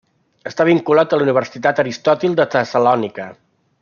Està vinculat a la Universitat Aristòtil de Tessalònica.